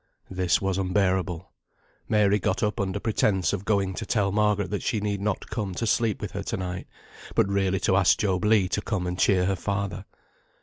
This was unbearable. Mary got up under pretence of going to tell Margaret that she need not come to sleep with her to night, but really to ask Job Legh to come and cheer her father.